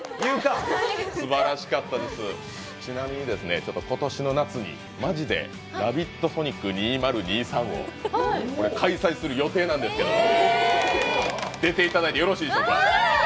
ちなみに今年の夏に本当に「ラヴィット！ソニック２０２３」を開催する予定なんですけど、出ていただいてよろしいでしょうか？